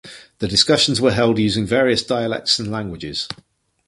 The discussions were held using various dialects and languages.